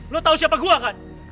lo tahu siapa gue kan